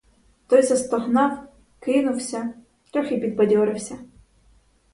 Той застогнав, кинувся, трохи підбадьорився.